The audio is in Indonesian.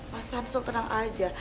mas samsul tenang aja